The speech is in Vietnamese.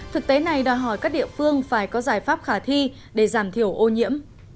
thực tế này đòi hỏi các địa phương phải có giải pháp khả thi để giảm thiểu ô nhiễm